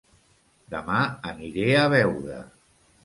Dema aniré a Beuda